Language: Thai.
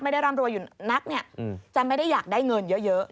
ไม่ได้ร่ำรัวอยู่นักจะไม่ได้อยากได้เงินเยอะ